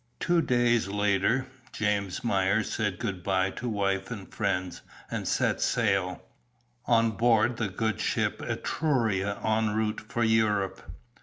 Two days later, James Myers said good bye to wife and friends and set sail, on board the good ship Etruria en route for Europe.